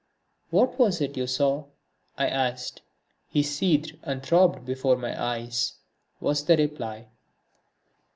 "What was it you saw?" I asked. "He seethed and throbbed before my eyes!" was the reply.